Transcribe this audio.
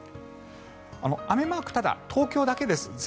雨マーク、ただ東京だけです。